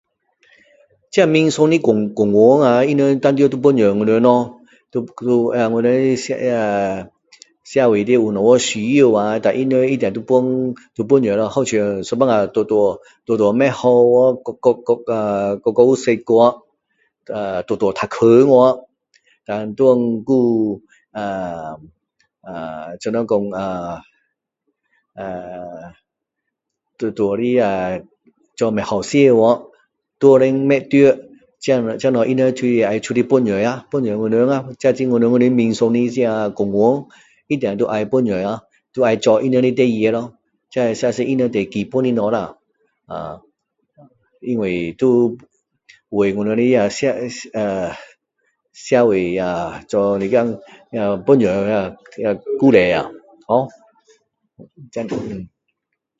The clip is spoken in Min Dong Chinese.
这人民的公园啊他们当然要帮助我们咯 我们社会的有什么需要啊dan他们一定要帮要帮助咯好像有时候路路路不好掉沟沟沟沟有塞掉路路破洞去er dan哪里还有啊怎么说啊er路路的做不好掉路灯不亮这个东西这个东西他们就是要出来帮我们啊这是我们人民的公园一定就要帮助啊做他们的事情咯这是他们最基本的东西咯因为要为我们的社啊社会做一点一点鼓励啊ho